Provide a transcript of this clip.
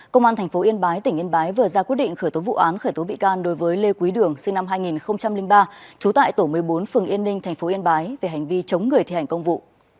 công an tp yên bái tỉnh yên bái vừa ra quyết định khởi tố vụ án khởi tố bị can đối với lê quý đường sinh năm hai nghìn ba trú tại tổ một mươi bốn phường yên ninh tp yên bái về hành vi chống người thi hành công vụ